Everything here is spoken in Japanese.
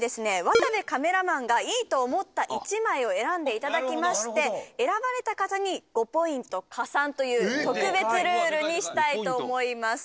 渡部カメラマンがいいと思った１枚を選んでいただきまして選ばれた方に５ポイント加算という特別ルールにしたいと思います